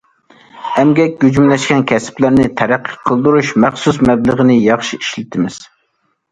ئەمگەك كۆجۈملەشكەن كەسىپلەرنى تەرەققىي قىلدۇرۇش مەخسۇس مەبلىغىنى ياخشى ئىشلىتىمىز.